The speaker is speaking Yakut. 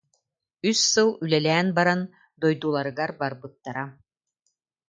Үс сыл үлэлээн баран дойдуларыгар барбыттара